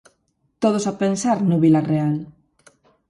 Todos a pensar no Vilarreal.